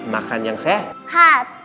makan yang sehat